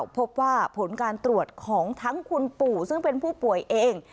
พบว่าผลการตรวจของทั้งคุณปู่ซึ่งเป็นผู้ป่วยเอง